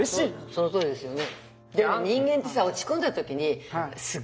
そのとおりですよね。